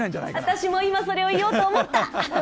私も今それを言おうと思った！